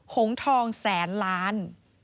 หงทองแสนล้าน